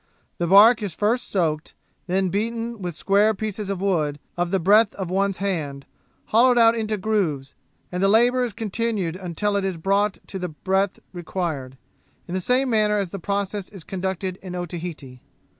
The bark is first soaked, then beaten with square pieces of wood, of the breadth of one's hand, hollowed out into grooves, and the labour is continued until it is brought to the breadth required, in the same manner as the process is conducted in Otaheite.